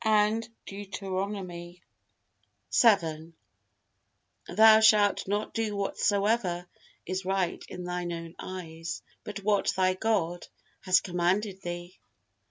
And Deuteronomy xii: "Thou shalt not do whatsoever is right in thine own eyes, but what thy God has commanded thee."